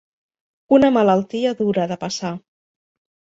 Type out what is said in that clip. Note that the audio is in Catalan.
Una malaltia dura de passar.